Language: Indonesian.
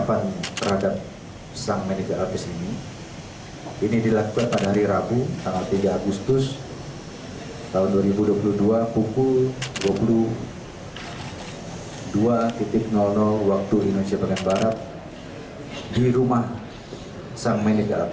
saya rasa ini sudah dinaikkan juga beritanya